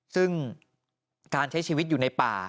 ซึ่งการใช้ชีวิตอยู่ในป่า